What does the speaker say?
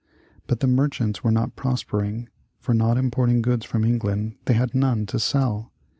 But the merchants were not prospering, for, not importing goods from England, they had none to sell.